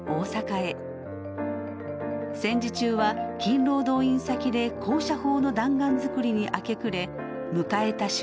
戦時中は勤労動員先で高射砲の弾丸作りに明け暮れ迎えた終戦。